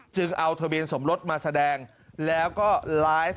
เอาทะเบียนสมรสมาแสดงแล้วก็ไลฟ์